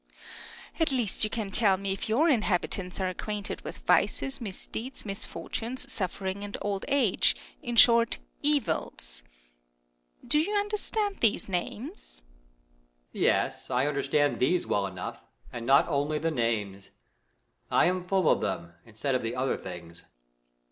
Earth. At least, you can tell me if your, inhabitants are acquainted with vices, misdeeds, misfortunes, suffer ing, and old age ; in short, evils ? Do you understand these names ? Moon. Yes, I understand these well enough, and not only the names. I am full of them, instead of the other things.